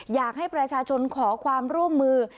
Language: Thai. อยากให้ประชาชนขอความร่วมมือ